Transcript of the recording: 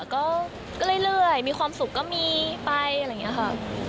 ก็เรื่อยมีความสุขก็มีไปอะไรอย่างนี้ค่ะ